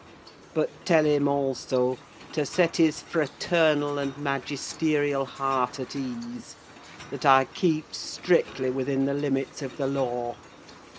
But tell him, also, to set his fraternal and magisterial heart at ease: that I keep strictly within the limits of the law.